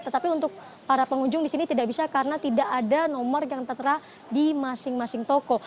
tetapi untuk para pengunjung di sini tidak bisa karena tidak ada nomor yang tertera di masing masing toko